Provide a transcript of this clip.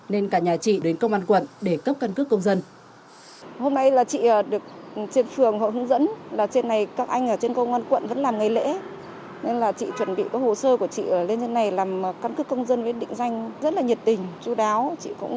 nên cả nhà chị đến công an quận để cấp căn cước công dân